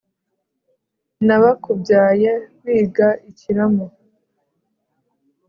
Nabakubyaye wiga ikiramo